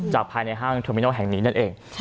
ภายในห้างเทอร์มินอลแห่งนี้นั่นเอง